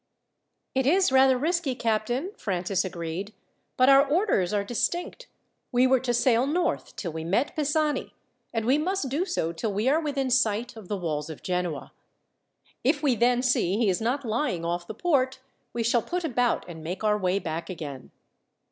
"It is rather risky, captain," Francis agreed; "but our orders are distinct. We were to sail north till we met Pisani, and we must do so till we are within sight of the walls of Genoa. If we then see he is not lying off the port, we shall put about and make our way back again."